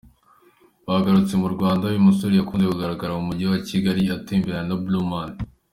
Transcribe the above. Bagarutse mu Rwanda, uyu musore yakunze kugaragara mu Mujyi wa Kigali atemberana na Blauman.